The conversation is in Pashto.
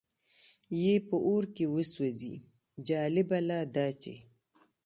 یې په اور کې وسوځي، جالبه لا دا چې.